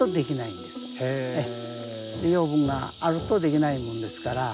養分があるとできないもんですから。